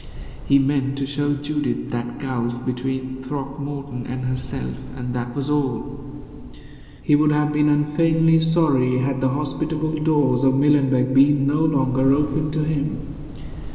He meant to show Judith that gulf between Throckmorton and herself, and that was all. He would have been unfeignedly sorry had the hospitable doors of Millenbeck been no longer open to him.